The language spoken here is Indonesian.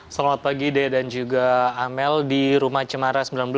selamat pagi dea dan juga amel di rumah cemara sembilan belas